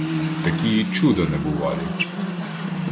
Такії чуда небувалі